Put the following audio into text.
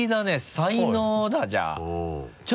才能だじゃあうん。